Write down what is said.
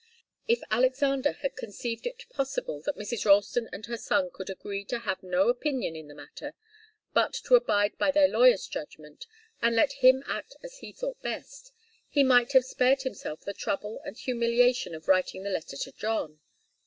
If Alexander had conceived it possible that Mrs. Ralston and her son could agree to have no opinion in the matter, but to abide by their lawyer's judgment, and let him act as he thought best, he might have spared himself the trouble and humiliation of writing the letter to John.